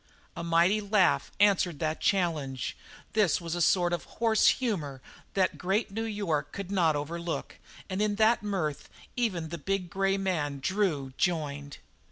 A mighty laugh answered that challenge; this was a sort of "horse humour" that great New York could not overlook, and in that mirth even the big grey man, Drew, joined.